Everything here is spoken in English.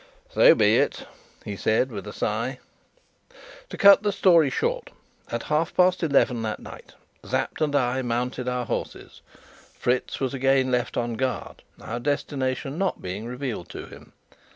"So be it," he said, with a sigh. To cut the story short, at half past eleven that night Sapt and I mounted our horses. Fritz was again left on guard, our destination not being revealed to him.